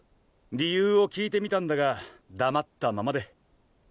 理由を聞いてみたんだが黙ったままで。